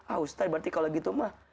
ah ustadz berarti kalau gitu mah